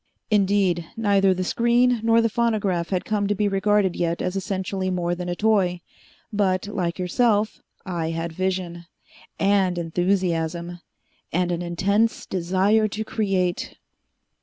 Indeed, neither the screen nor the phonograph had come to be regarded yet as essentially more than a toy. But, like yourself, I had vision. And enthusiasm. And an intense desire to create.